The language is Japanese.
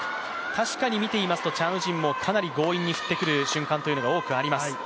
確かに、見ていますと、チャン・ウジンもかなり強引に振ってくる瞬間がかなりあります。